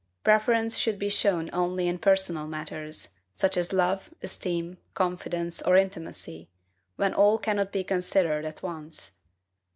Preference should be shown only in personal matters, such as love, esteem, confidence, or intimacy, when all cannot be considered at once.